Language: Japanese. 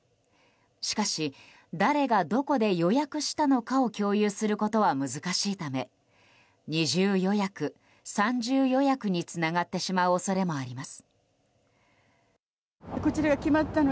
しかし誰がどこで予約したのかを共有することは難しいため二重予約、三重予約につながってしまう恐れもあります。